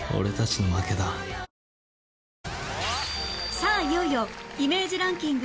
さあいよいよイメージランキング